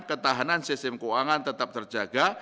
ketahanan sistem keuangan tetap terjaga